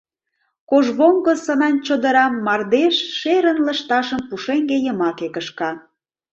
Кожвоҥго сынан чодырам мардеж, шерын, лышташым пушеҥге йымаке кышка.